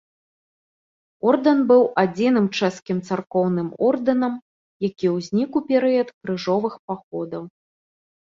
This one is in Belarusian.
Ордэн быў адзіным чэшскім царкоўным ордэнам, які ўзнік у перыяд крыжовых паходаў.